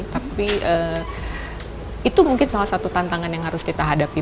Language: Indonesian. tapi itu mungkin salah satu tantangan yang harus kita hadapi